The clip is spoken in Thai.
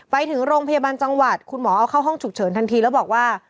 ไปถึงโรงพยาบาลจังหวัดคุณหมอเอาเข้าห้องฉุกเฉินทันทีแล้วบอกว่า